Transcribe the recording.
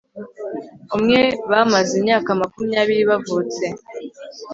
umwe bamaze imyaka makumyabiri bavutse